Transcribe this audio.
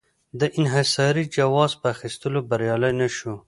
د انحصاري جواز په اخیستو بریالی نه شو.